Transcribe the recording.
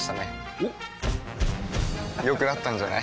おっ良くなったんじゃない？